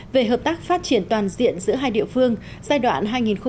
về hợp tác phát triển toàn diện giữa hai địa phương giai đoạn hai nghìn một mươi sáu hai nghìn hai mươi